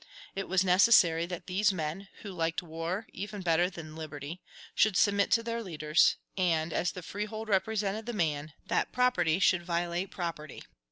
It was necessary that these men, who liked war even better than liberty, should submit to their leaders; and, as the freehold represented the man, that property should violate property.